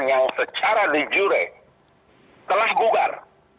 yang secara dijure telah bugar